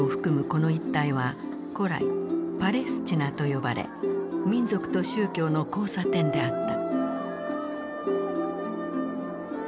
この一帯は古来パレスチナと呼ばれ民族と宗教の交差点であった。